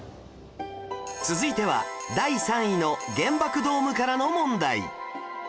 続いては第３位の原爆ドームからの問題